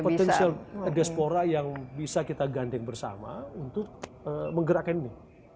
potential diaspora yang bisa kita gandeng bersama untuk menggerakkan ini